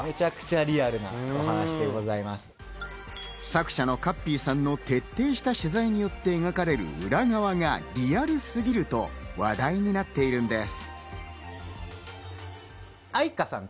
作者のかっぴーさんの徹底した取材によって描かれる裏側がリアルすぎると話題になっているんです。